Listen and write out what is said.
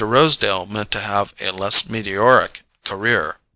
Rosedale meant to have a less meteoric career.